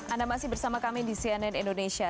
anda masih bersama kami di cnn indonesia